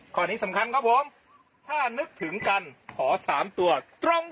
ข้อนี้สำคัญครับผมถ้านึกถึงกันขอ๓ตัวตรง